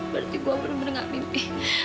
berarti gua bener bener nggak mimpi